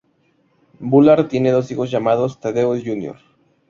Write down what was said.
Bullard tiene dos hijos llamados Thaddeus Jr.